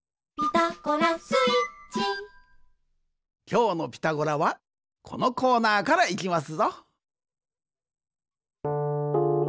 きょうの「ピタゴラ」はこのコーナーからいきますぞ。